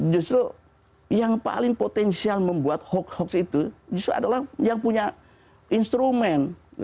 justru yang paling potensial membuat hoax hoax itu justru adalah yang punya instrumen